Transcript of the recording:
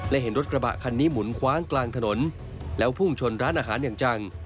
และเห็นรถกระบะคันนี้หมุนคว้างกลางถนนแล้วพุ่งชนร้านอาหารอย่างจัง